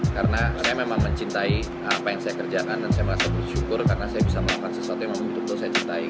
karena saya memang mencintai apa yang saya kerjakan dan saya merasa bersyukur karena saya bisa melakukan sesuatu yang membutuhkan saya cintai